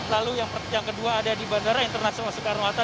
lalu yang kedua ada di bandara internasional soekarno hatta